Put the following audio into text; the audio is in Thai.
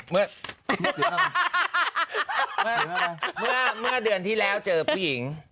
เมื่อเดือนที่แล้วเจอผู้หญิง